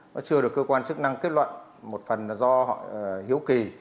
nó chưa được cơ quan chức năng kết luận một phần do hiếu kỳ